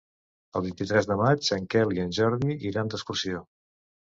El vint-i-tres de maig en Quel i en Jordi iran d'excursió.